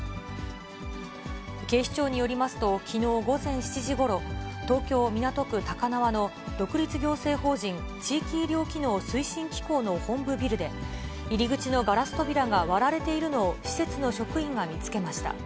警視庁によりますと、きのう午前７時ごろ、東京・港区高輪の独立行政法人地域医療機能推進機構の本部ビルで、入り口のガラス扉が割られているのを施設の職員が見つけました。